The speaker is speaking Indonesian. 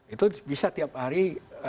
itu bisa tiap hari